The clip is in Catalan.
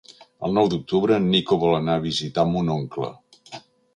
El nou d'octubre en Nico vol anar a visitar mon oncle.